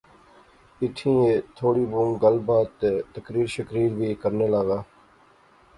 ایتھیں ایہہ تھوڑی بہوں گل بات تہ تقریر شقریر وی کرنے لاغا